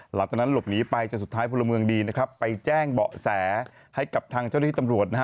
หลังจากนั้นหลบหนีไปจนสุดท้ายพลเมืองดีนะครับไปแจ้งเบาะแสให้กับทางเจ้าหน้าที่ตำรวจนะฮะ